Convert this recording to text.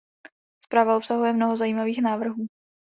Zpráva obsahuje mnoho zajímavých návrhů.